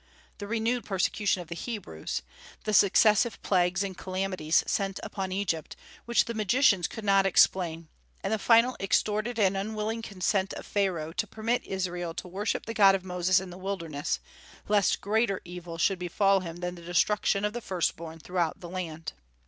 the renewed persecution of the Hebrews, the successive plagues and calamities sent upon Egypt, which the magicians could not explain, and the final extorted and unwilling consent of Pharaoh to permit Israel to worship the God of Moses in the wilderness, lest greater evils should befall him than the destruction of the first born throughout the land.